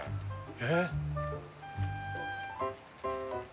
えっ？